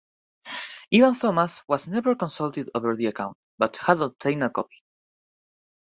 Evan-Thomas was never consulted over the account, but had obtained a copy.